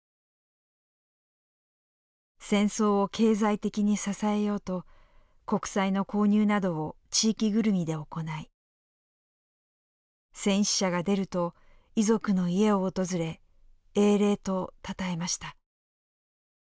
戦争を経済的に支えようと国債の購入などを地域ぐるみで行い戦死者が出ると遺族の家を訪れ英霊とたたえました。